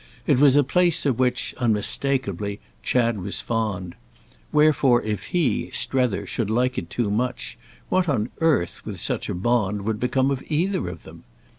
It was a place of which, unmistakeably, Chad was fond; wherefore if he, Strether, should like it too much, what on earth, with such a bond, would become of either of them?